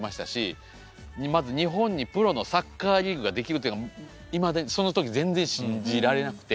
まず日本にプロのサッカーリーグが出来るというのがその時全然信じられなくて。